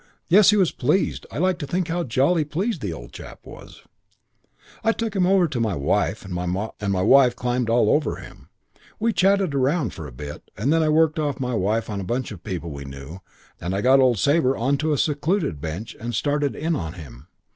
Yes, he was pleased. I like to think how jolly pleased the old chap was. "I took him over to my wife, and my wife climbed all over him, and we chatted round for a bit, and then I worked off my wife on a bunch of people we knew and I got old Sabre on to a secluded bench and started in on him.